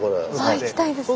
行きたいですね。